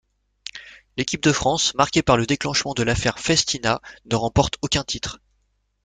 L'équipe de France, marquée par le déclenchement de l'affaire Festina, ne remporte aucun titre.